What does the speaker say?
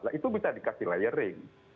nah itu bisa dikasih layering